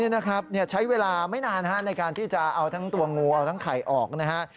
นี่นะครับใช้เวลาไม่นานในการที่จะเอาทั้งตัวงูเอาทั้งไข่ออกนะฮะ